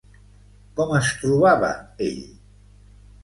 Com es trobava ell?